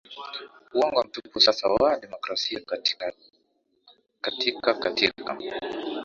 uwongo mtupu sasa waaa democrasi katika katika